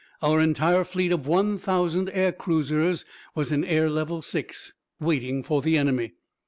Our entire fleet of one thousand air cruisers was in air level six, waiting for the enemy.